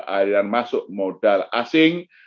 aliran masuk modal asing